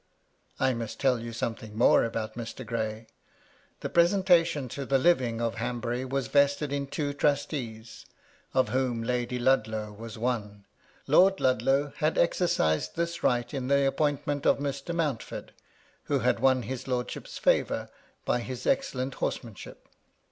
I must tell you something more about Mr. Gray. The presentation to the living of Hanbury was vested in two trustees, of whom Lady Ludlow was one : Lord Ludlow had exercised this right in the appointment of Mr. Mountford, who had won his lordship's favour by his excellent horsemanship.